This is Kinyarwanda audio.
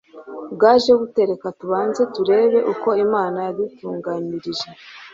bwaje bute reka tubanze turebe uko imana yadutunganyirije